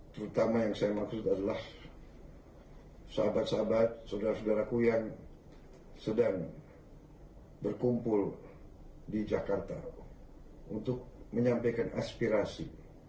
terutama yang saya maksud adalah sahabat sahabat saudara saudaraku yang sedang berkumpul di jakarta untuk menyampaikan aspirasi